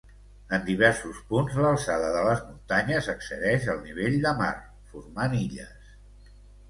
En diversos punts, l'alçada de les muntanyes excedeix el nivell de mar, formant illes.